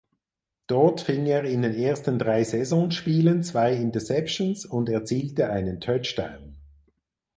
Dort fing er in den ersten drei Saisonspielen zwei Interceptions und erzielte einen Touchdown.